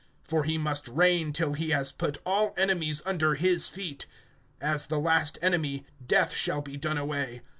(25)For he must reign, till he has put all enemies under his feet. (26)As the last enemy, Death shall be done away.